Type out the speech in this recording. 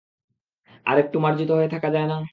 আরেকটু মার্জিত হয়ে থাকা যায় না?